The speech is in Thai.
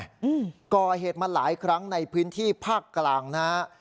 อืมก่อเหตุมาหลายครั้งในพื้นที่ภาคกลางนะฮะ